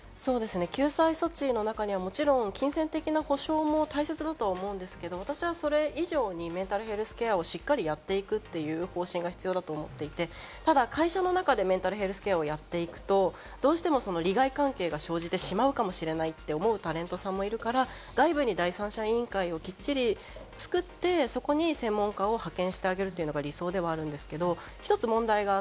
救済措置の中には金銭的な補償も大切だと思うんですけれども、私はそれ以上に、メンタルヘルスケアをしっかりやっていくという方針が必要だと思っていて、ただ会社の中でメンタルヘルスケアをやっていくとどうしても利害関係が生じてしまうかもしれないって思うタレントさんもいるから、外部に第三者委員会をきっちり作って、そこに専門家を派遣してあげるのが理想ではあるんですけれども。